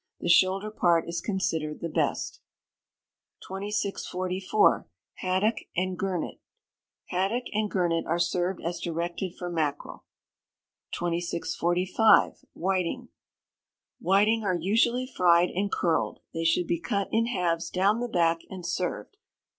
The shoulder part is considered the best. 2644. Haddock and Gurnet. Haddock and Gurnet are served as directed for mackerel. 2645. Whiting. Whiting are usually fried and curled; they should be cut in halves down the back, and served.